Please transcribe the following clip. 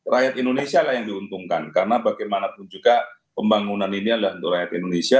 rakyat indonesia lah yang diuntungkan karena bagaimanapun juga pembangunan ini adalah untuk rakyat indonesia